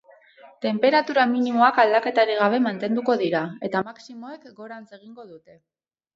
Tenperatura minimoak aldaketarik gabe mantenduko dira, eta maximoek gorantz egingo dute.